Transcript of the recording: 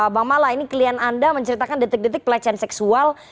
bang mala ini klien anda menceritakan detik detik pelecehan seksual